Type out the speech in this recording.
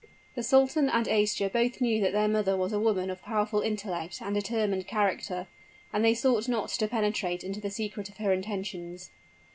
The sultan and Aischa both knew that their mother was a woman of powerful intellect and determined character; and they sought not to penetrate into the secret of her intentions.